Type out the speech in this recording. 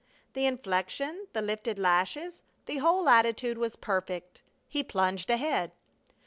The inflection, the lifted lashes, the whole attitude, was perfect. He plunged ahead.